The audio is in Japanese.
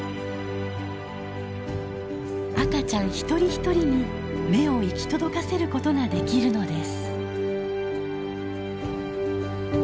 赤ちゃんひとりひとりに目を行き届かせることができるのです。